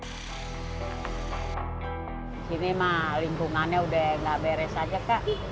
di sini mah lingkungannya udah gak beres aja kak